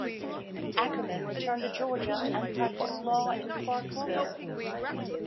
Akerman returned to Georgia and practiced law in Clarksville.